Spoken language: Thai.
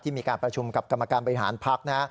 มีการประชุมกับกรรมการบริหารพัก